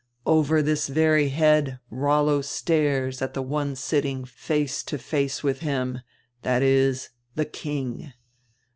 Over this very head Rollo stares at die one sitting face to face widi him, viz., die king.